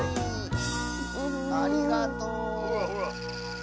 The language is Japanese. ありがとう！